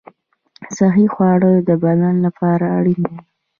صحي خواړه د بدن لپاره اړین دي.